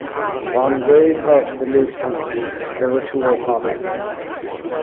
Vanier called Philippe his "spiritual father".